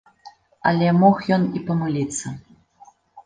Але мог ён і памыліцца.